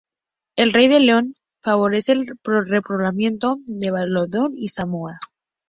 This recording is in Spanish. El Rey de León favorece el repoblamiento de Valladolid y Zamora.